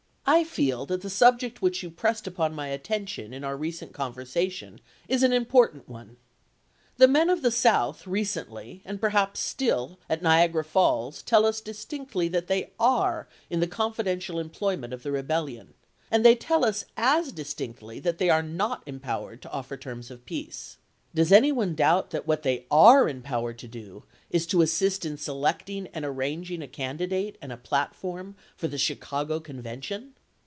" I feel that the subject which you pressed upon my attention in our recent conversation is an im portant one. The men of the South recently (and perhaps still) at Niagara Falls tell us distinctly that they are in the confidential employment of the Eebellion ; and they tell us as distinctly that they are not empowered to offer terms of peace. Does any one doubt that what they are empowered to do, is to assist in selecting and arranging a candi date, and a platform for the Chicago Convention